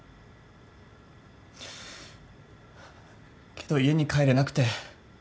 けど家に帰れなくて。